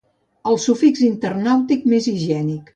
El sufix internàutic més higiènic.